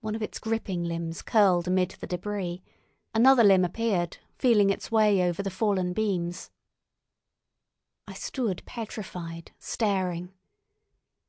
One of its gripping limbs curled amid the debris; another limb appeared, feeling its way over the fallen beams. I stood petrified, staring.